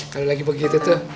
kalau lagi begitu tuh